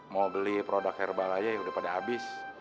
mau beli produk herbal aja ya udah pada habis